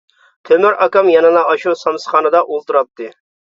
تۆمۈر ئاكام يەنىلا ئاشۇ سامانخانىدا ئولتۇراتتى.